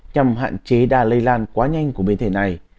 nhằm hạn chế đa lây lan quá nhanh của biến thể này